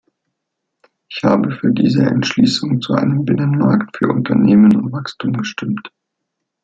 Ich habe für diese Entschließung zu einem Binnenmarkt für Unternehmen und Wachstum gestimmt.